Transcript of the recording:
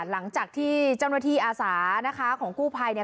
หลังจากที่เจ้าหน้าที่อาสานะคะของกู้ภัยเนี่ย